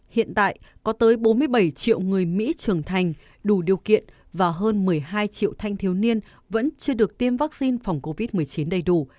hiện tại có tới bốn mươi bảy triệu người mỹ trưởng thành đủ điều kiện và hơn một mươi hai triệu thanh thiếu niên vẫn chưa được tiêm vaccine phòng covid một mươi chín đầy đủ